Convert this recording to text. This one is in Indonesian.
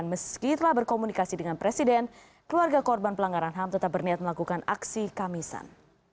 meski telah berkomunikasi dengan presiden keluarga korban pelanggaran ham tetap berniat melakukan aksi kamisan